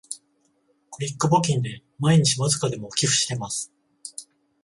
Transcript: クリック募金で毎日わずかでも寄付してます